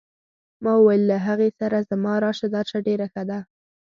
ما وویل له هغې سره زما راشه درشه ډېره ښه ده.